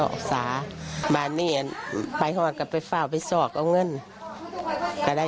าวแหลนลงไปหาอย่างไง